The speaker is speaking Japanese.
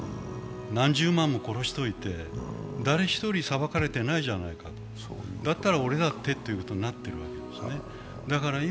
何十万も殺しておいて、誰一人裁かれていないじゃないか、だったら俺だってってことになってるわけです。